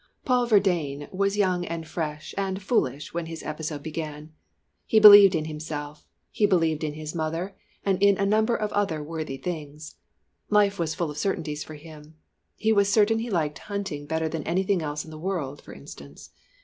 Paul Verdayne was young and fresh and foolish when his episode began. He believed in himself he believed in his mother, and in a number of other worthy things. Life was full of certainties for him. He was certain he liked hunting better than anything else in the world for instance.